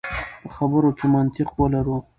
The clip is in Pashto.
په خبرو کې منطق ولرو.